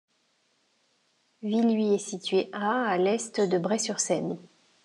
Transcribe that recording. Villuis est située à à l'est de Bray-sur-Seine.